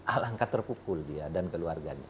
alangkah terpukul dia dan keluarganya